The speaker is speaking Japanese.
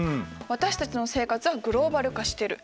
私たちの生活はグローバル化してる。